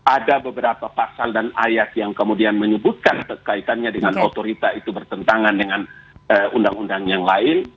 ada beberapa pasal dan ayat yang kemudian menyebutkan kaitannya dengan otorita itu bertentangan dengan undang undang yang lain